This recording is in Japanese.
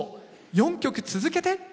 ４曲続けて。